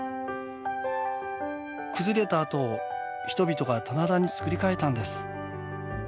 崩れたあとを人々が棚田に作り変えたんです。